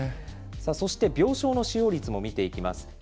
そして病床の使用率も見ていきます。